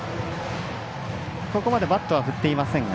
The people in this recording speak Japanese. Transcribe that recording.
ここまでバットは振っていませんが。